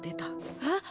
えっ？